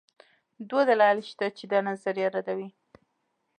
دوه دلایل شته چې دا نظریه ردوي